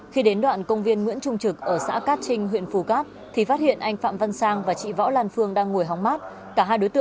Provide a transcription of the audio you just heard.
khi đến đoạn công viên nguyễn trung trực ở xã cát trinh huyện phù cát